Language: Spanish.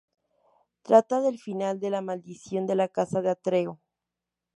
Trata del final de la maldición de la casa de Atreo.